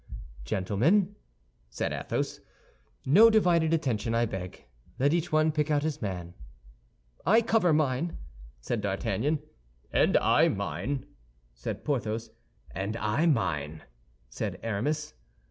"Gentlemen," said Athos, "no divided attention, I beg; let each one pick out his man." "I cover mine," said D'Artagnan. "And I mine," said Porthos. "And I idem," said Aramis.